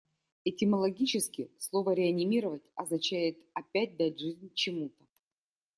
Этимологически слово "реанимировать" означает опять дать жизнь чему-то.